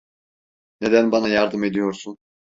Neden bana yardım ediyorsun?